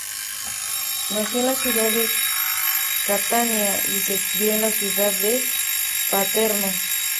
Nació en la ciudad de Catania y se crio en la ciudad de Paternò.